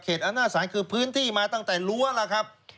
เขตอนาสารคือพื้นที่มาตั้งแต่รั้วล่ะครับ